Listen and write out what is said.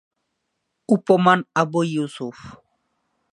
উপনাম-আবু Yusuf.